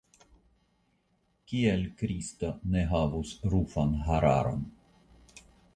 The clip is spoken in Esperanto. Kial Kristo ne havus rufa hararon?